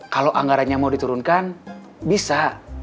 kalau anggarannya mau diturunkan bisa